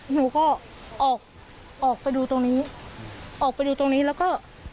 หนูก็ออกออกไปดูตรงนี้ออกไปดูตรงนี้แล้วก็